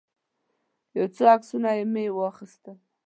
یو څو عکسونه مې واخیستل.